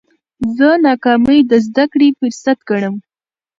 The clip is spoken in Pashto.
زه ناکامي د زده کړي فرصت ګڼم.